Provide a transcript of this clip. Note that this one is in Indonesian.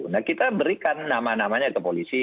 nah kita berikan nama namanya ke polisi